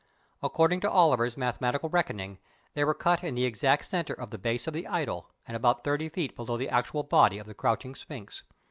According to Oliver's mathematical reckoning, they were cut in the exact centre of the base of the idol, and about thirty feet below the actual body of the crouching sphinx.